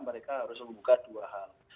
mereka harus membuka dua hal